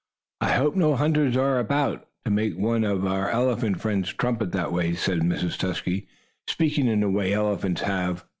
"I hope no hunters are about, to make one of our elephant friends trumpet that way," said Mrs. Tusky, speaking in a way elephants have.